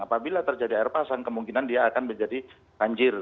apabila terjadi air pasang kemungkinan dia akan menjadi banjir